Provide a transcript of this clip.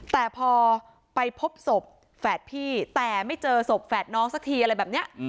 แต่พอไปพบศพแฝดพี่แต่ไม่เจอศพแฝดน้องสักทีอะไรแบบนี้